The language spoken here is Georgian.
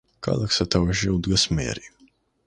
ქალაქს სათავეში უდგას მერი.